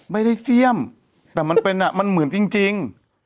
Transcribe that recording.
ไม่ได้เสี่ยมแต่มันเป็นอ่ะมันเหมือนจริง